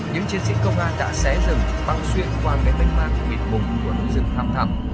những chiến sĩ công an đã xé rừng băng xuyên qua cái bênh mang mịt mùng của núi rừng thẳng thẳng